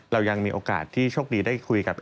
เรายังมีโอกาสที่โชคดีได้คุยกับ